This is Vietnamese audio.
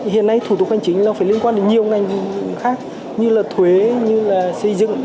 hiện nay thủ tục hành chính nó phải liên quan đến nhiều ngành khác như là thuế như là xây dựng